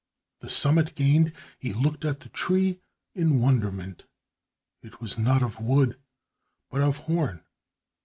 The summit gained, he looked at the tree in wonderment. It was not of wood, but of horn.